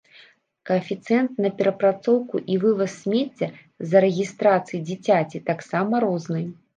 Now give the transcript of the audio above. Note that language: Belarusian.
Каэфіцыент на перапрацоўку і вываз смецця з-за рэгістрацыі дзіцяці таксама розны.